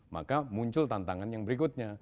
maka muncul tantangan yang berikutnya